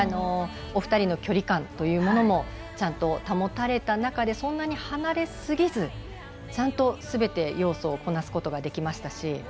お二人の距離感もちゃんと保たれた中でそんなに離れすぎずちゃんと、すべて要素をこなすことができましたし。